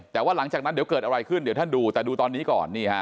แต่ว่าหลังจากนั้นเดี๋ยวเกิดอะไรขึ้นเดี๋ยวท่านดูแต่ดูตอนนี้ก่อน